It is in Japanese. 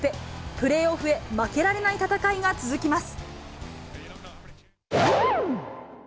プレーオフへ、負けられない戦いが続きます。